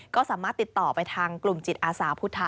ก็สามารถติดต่อไปทางกลุ่มจิตอาสาพุทธ